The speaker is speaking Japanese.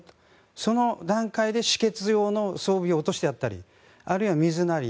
その段階で止血用の装備を落としてあったりあるいは水なり